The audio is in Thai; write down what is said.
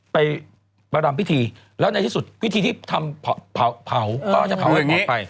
ไปประรำพิธีแล้วในที่สุดพิธีที่ทำเผาก็จะเผาให้ปลอดภัย